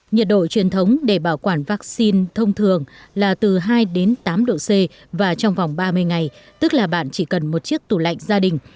nhiệt độ truyền thống để bảo quản vaccine thông thường là từ hai đến tám độ c và trong vòng ba mươi ngày tức là bạn chỉ cần một chiếc tủ lạnh gia đình